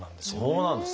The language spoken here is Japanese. そうなんですね。